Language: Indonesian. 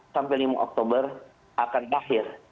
empat sampai lima oktober akan akhir